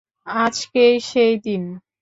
আজকেই সেই দিন!